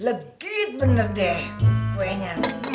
legit bener deh kuenya